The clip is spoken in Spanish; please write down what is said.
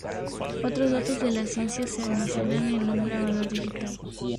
Otros datos de la ciencia se almacenan en un grabador digital.